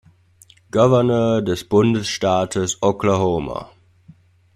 Gouverneur des Bundesstaates Oklahoma.